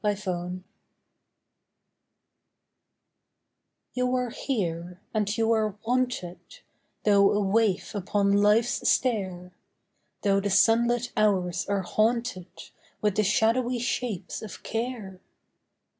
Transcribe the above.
EXISTENCE You are here, and you are wanted, Though a waif upon life's stair; Though the sunlit hours are haunted With the shadowy shapes of care.